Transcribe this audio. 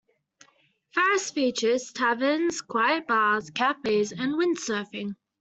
Faris features: taverns, quite bars, cafes, and windsurfing.